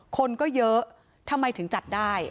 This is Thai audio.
คนก็เยอะทำไมถึงจัดได้